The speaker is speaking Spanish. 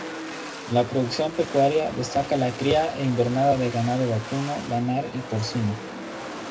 La producción pecuaria destaca la cría e invernada de ganado vacuno, lanar y porcino.